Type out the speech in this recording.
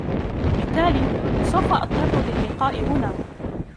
بالتالي ، سوف أضطرُ للقاءِ هنا.